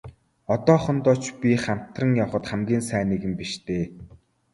Одоохондоо ч би хамтран явахад хамгийн сайн нэгэн биш дээ.